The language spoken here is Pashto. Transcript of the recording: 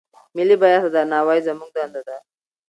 ملي بيرغ ته درناوی زموږ دنده ده.